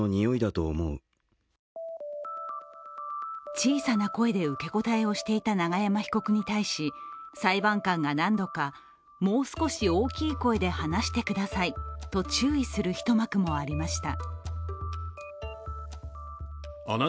小さな声で受け答えをしていた永山被告に対し裁判官が何度か、もう少し大きい声で話してくださいと注意する一幕もありました。